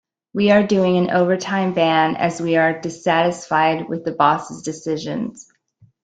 We are doing an overtime ban as we are dissatisfied with the boss' decisions.